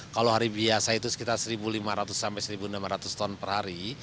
kalau hari biasa itu sekitar satu lima ratus sampai satu enam ratus ton per hari